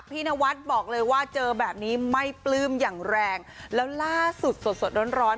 นวัดบอกเลยว่าเจอแบบนี้ไม่ปลื้มอย่างแรงแล้วล่าสุดสดสดร้อนร้อน